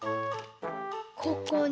ここに。